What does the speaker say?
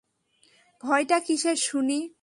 ভয়টা কিসের শুনি?